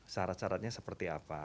sarat saratnya seperti apa